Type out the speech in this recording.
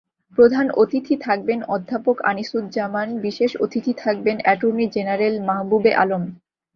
প্রধান অতিথি থাকবেন অধ্যাপক আনিসুজ্জামান, বিশেষ অতিথি থাকবেন অ্যাটর্নি জেনারেল মাহবুবে আলম।